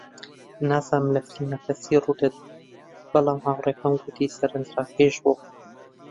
نازانم لە فیلمەکە چی ڕوودەدات، بەڵام هاوڕێکەم گوتی سەرنجڕاکێش بوو.